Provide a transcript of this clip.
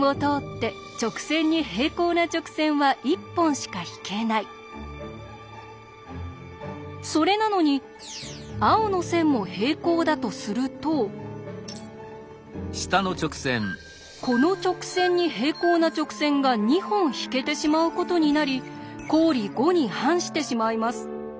なぜかっていうとそうそれなのに青の線も平行だとするとこの直線に平行な直線が２本引けてしまうことになり公理５に反してしまいます。